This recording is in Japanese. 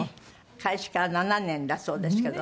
開始から７年だそうですけど。